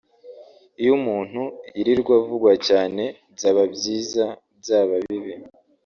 Iyo umuntu yirirwa avugwa cyane byaba byiza byaba bibi